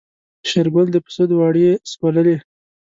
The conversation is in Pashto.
شېرګل د پسه دوړې سکوللې.